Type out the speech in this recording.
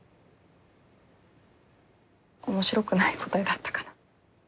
面白くない答えだったかな。